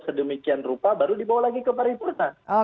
sedemikian rupa baru dibawa lagi ke paripurna